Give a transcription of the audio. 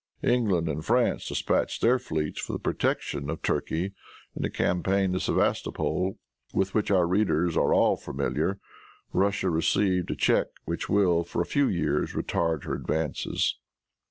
England and France dispatched their fleets for the protection of Turkey. In the campaign of Sevastopol, with which our readers are all familiar, Russia received a check which will, for a few years, retard her advances.